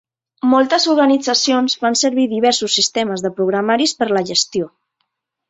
Moltes organitzacions fan servir diversos sistemes de programaris per la gestió.